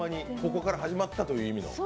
ここから始まったという。